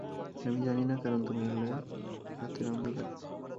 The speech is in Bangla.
আমি জানি না, কারণ তুমি এলে রাতের অন্ধকারে।